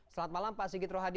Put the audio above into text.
selamat malam pak sigit rohadi